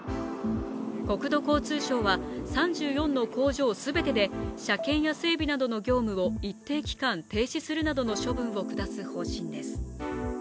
国土交通省は３４の工場全てで車検や整備などの業務を一定期間、停止するなどの処分を下す方針です。